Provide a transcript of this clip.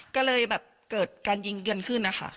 ก็เลยแบบเกิดการยิงเกินขึ้น